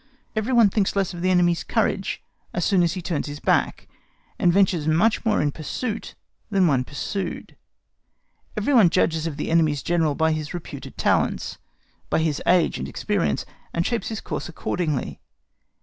Every one thinks less of the enemy's courage as soon as he turns his back, and ventures much more in pursuit than when pursued. Every one judges of the enemy's General by his reputed talents, by his age and experience, and shapes his course accordingly.